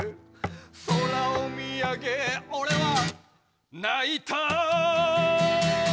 空を見上げ俺は泣いた